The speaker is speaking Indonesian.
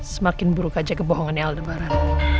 semakin buruk aja kebohongannya aldebaran